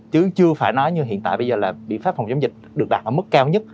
chứ chưa phải nói như hiện tại bây giờ là biện pháp phòng chống dịch được đạt ở mức cao nhất